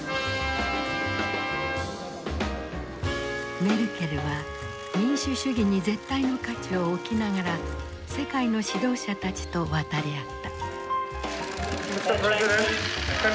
メルケルは民主主義に絶対の価値を置きながら世界の指導者たちと渡り合った。